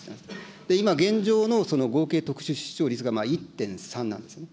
今、現状のその合計特殊出生率が１．３なんですね。